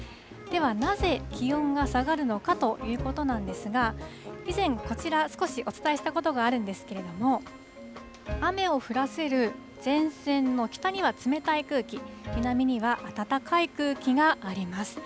では、なぜ気温が下がるのかということなんですが、以前、こちら、少しお伝えしたことがあるんですけれども、雨を降らせる前線の北には冷たい空気、南には暖かい空気があります。